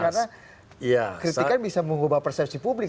karena kritikan bisa mengubah persepsi publik